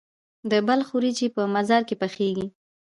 د بلخ وریجې په مزار کې پخیږي.